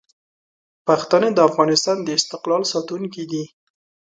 پښتانه د افغانستان د استقلال ساتونکي دي.